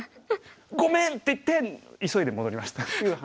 「ごめん！」って言って急いで戻りましたっていう話。